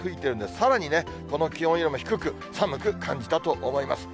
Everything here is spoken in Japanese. さらにね、この気温よりも低く、寒く感じたと思います。